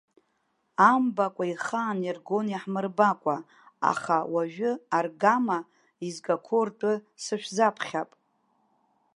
Амбакәа ихаан иргон иаҳмырбакәа, аха уажәы аргама изгақәо ртәы сышәзаԥхьап!